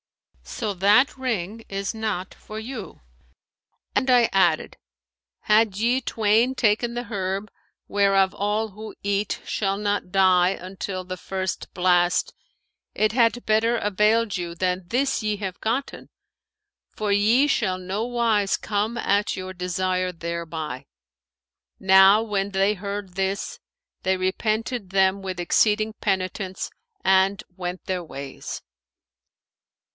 [FN#520]' 'So that ring is not for you.' And I added, 'Had ye twain taken the herb, whereof all who eat shall not die until the First Blast,[FN#521] it had better availed you than this ye have gotten; for ye shall nowise come at your desire thereby.' Now when they heard this, they repented them with exceeding penitence and went their ways."